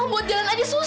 amir jangan saja om